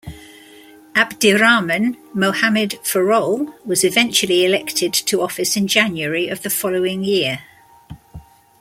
Abdirahman Mohamud Farole was eventually elected to office in January of the following year.